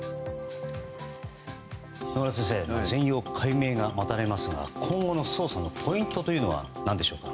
野村先生全容解明が待たれますが今後の捜査のポイントというのは何でしょうか。